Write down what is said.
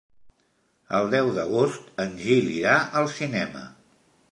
El deu d'agost en Gil irà al cinema.